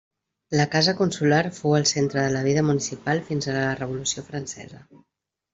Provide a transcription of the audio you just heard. La casa Consular fou el centre de la vida municipal fins a la revolució francesa.